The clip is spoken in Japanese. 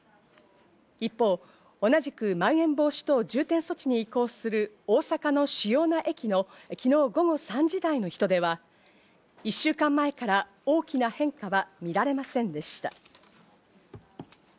一方同じく、まん延防止等重点措置に移行する大阪の主要な駅の昨日午後３時台の人出は、１週間前から大きな変化は見られませんでした。